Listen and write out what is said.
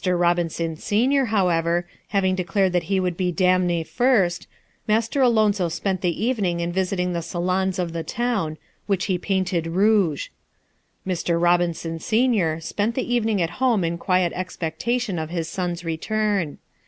Robinson, senior, however, having declared that he would be damné first, Master Alonzo spent the evening in visiting the salons of the town, which he painted rouge. Mr. Robinson, senior, spent the evening at home in quiet expectation of his son's return.